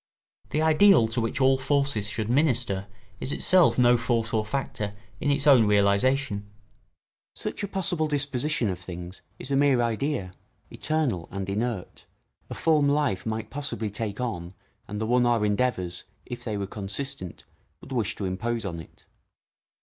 The ideal to which all forces should minister is itself no force or factor in its own realisation. Such a possible disposition of things is a mere idea, eternal and inert, a form life might possibly take on and the one our endeavours, if they were consistent, would wish to impose on it.